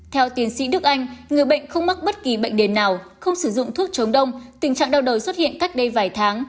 theo tiến sĩ đức anh người bệnh không mắc bất kỳ bệnh nền nào không sử dụng thuốc trống đông tình trạng đau đầu xuất hiện cách đây vài tháng